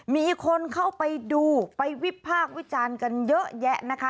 มีคนเข้าไปดูไปวิพากษ์วิจารณ์กันเยอะแยะนะคะ